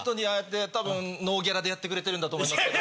ホントに。でやってくれてるんだと思いますけど。